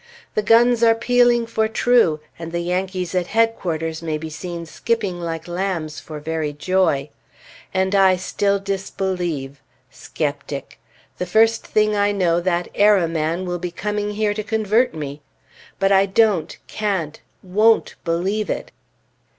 The guns are pealing for true, and the Yankees at headquarters may be seen skipping like lambs, for very joy. And I still disbelieve! Skeptic! The first thing I know that "Era" man will be coming here to convert me! But I don't, can't, won't believe it!